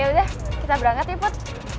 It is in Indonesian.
yaudah kita berangkat nih put